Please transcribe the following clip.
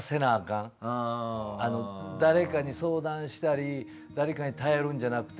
誰かに相談したり誰かに頼るんじゃなくて。